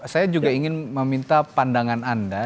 saya juga ingin meminta pandangan anda